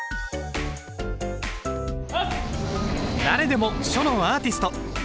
誰でも書のア−ティスト！